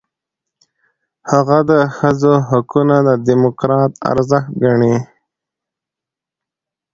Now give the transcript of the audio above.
هغه د ښځو حقونه دموکراتیک ارزښت ګڼي.